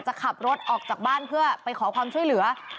จะขับรถออกจากบ้านเพื่อไปขอความช่วยเหลือ